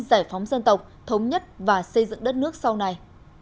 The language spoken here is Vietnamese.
giải phóng dân tộc thống nhất và xây dựng đất nước sau này